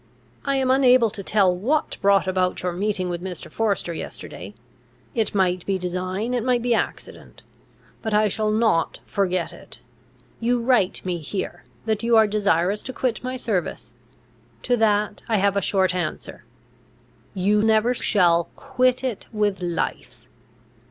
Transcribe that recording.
"I am unable to tell what brought about your meeting with Mr. Forester yesterday. It might be design; it might be accident. But, I shall not forget it. You write me here, that you are desirous to quit my service. To that I have a short answer: You never shall quit it with life.